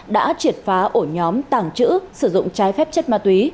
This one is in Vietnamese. đã triệt phá ổ nhóm tàng trữ sử dụng trái phép chất ma túy